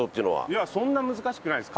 いやそんな難しくないです。